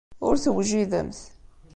Ur tewjidemt.